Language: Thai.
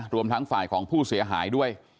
รวมทั้งฝ่ายของผู้เสียหายด้วย